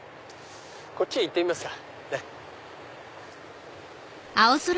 こっちへ行ってみますか。